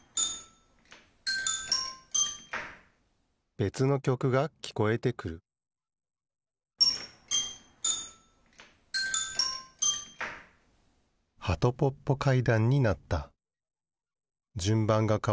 べつのきょくがきこえてくるはとぽっぽ階段になった。